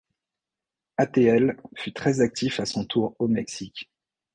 Atl fut très actif à son retour au Mexique.